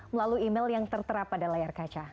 melalui email yang tertera pada layar kaca